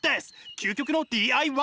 究極のＤＩＹ！